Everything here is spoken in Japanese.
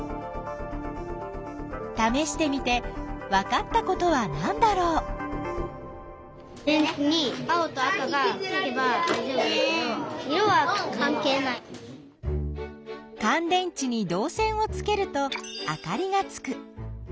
ためしてみてわかったことはなんだろう？かん電池にどう線をつけるとあかりがつく。